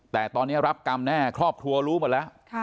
แต่ตอนนี้รับกรรมแน่ครอบครัวรู้หมดแล้ว